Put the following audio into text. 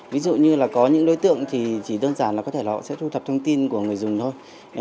ví dụ như là có những đối tượng thì chỉ đơn giản là có thể là họ sẽ thu thập thông tin của người dùng thôi